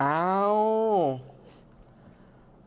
เพราะว่ามีทีมนี้ก็ตีความกันไปเยอะเลยนะครับ